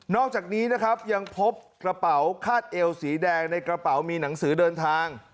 อกจากนี้นะครับยังพบกระเป๋าคาดเอวสีแดงในกระเป๋ามีหนังสือเดินทาง